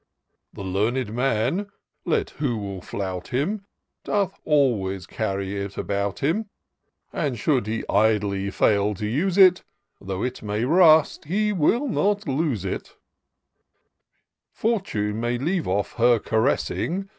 The learned man, let who will flout him, Doth always carry it about him ; And should he idly fail to use it. Though it may rust, he will not lose it : Fortune may leave off her caressing.